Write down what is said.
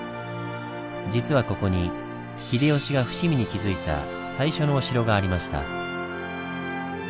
実はここに秀吉が伏見に築いた最初のお城がありました。